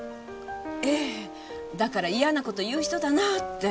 ええだから“嫌なこと言う人だな”って。